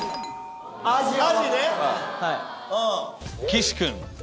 岸君！